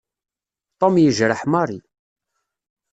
Tom yejreḥ Mary.